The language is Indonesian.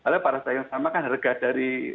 karena pada saat yang sama kan harga dari